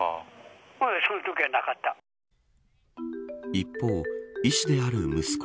一方、医師である息子